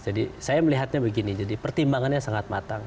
jadi saya melihatnya begini jadi pertimbangannya sangat matang